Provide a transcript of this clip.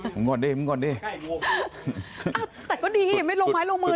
มึงกอดดิแต่ก็ดีไหมลงไม้ลงมือ